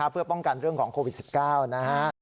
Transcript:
เพื่อป้องกันเรื่องของโควิด๑๙นะฮะ